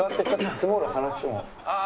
積もる話も。